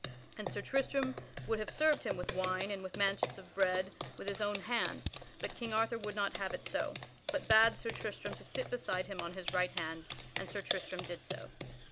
And Sir Tristram would have served him with wine and with manchets of bread with his own hand, but King Arthur would not have it so, but bade Sir Tristram to sit beside him on his right hand, and Sir Tristram did so.